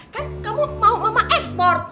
kan kamu mau mama ekspor